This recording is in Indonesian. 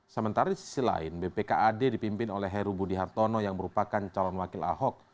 sementara di sisi lain bpkad dipimpin oleh heru budi hartono yang merupakan calon wakil ahok